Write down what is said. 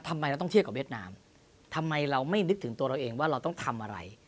ทำไมเราต้องเทียบกับเวียดนามทำไมเราไม่นึกถึงตัวเราเองว่าเราต้องทำอะไร